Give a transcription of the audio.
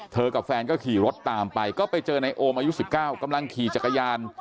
กับแฟนก็ขี่รถตามไปก็ไปเจอในโอมอายุ๑๙กำลังขี่จักรยาน